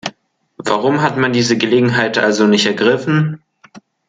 Warum hat man diese Gelegenheit also nicht ergriffen?